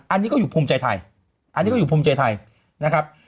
อันนี้ก็อยู่ภูมิใจไทยอันนี้ก็อยู่ภูมิใจไทยนะครับ